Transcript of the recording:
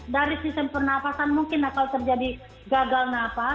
dari sistem pernafasan mungkin akan terjadi gagal nafas